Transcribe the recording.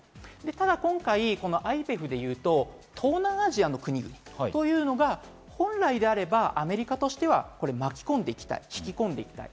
ただ今回、ＩＰＥＦでいうと、東南アジアの国というのが本来であれば、アメリカとしては巻き込んでいきたい、引き込んでいきたい。